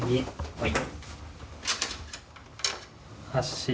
はい。